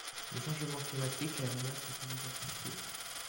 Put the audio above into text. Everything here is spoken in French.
Le changement climatique est la menace la plus identifiée.